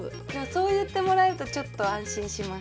そう言ってもらえるとちょっと安心します。